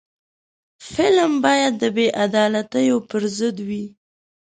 فلم باید د بې عدالتیو پر ضد وي